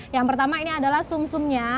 yang pertama ini adalah sum sumnya